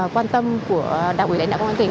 quan tâm của đạo quỷ đại đạo quang tỉnh